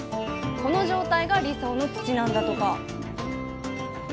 この状態が理想の土なんだとか！